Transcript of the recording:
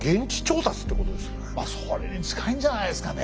まあそれに近いんじゃないですかね。